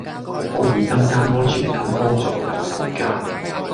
可以增加安全感幫助入睡架